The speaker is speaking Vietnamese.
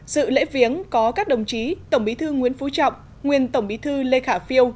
dự lễ viếng có các đồng chí tổng bí thư nguyễn phú trọng nguyên tổng bí thư lê khả phiêu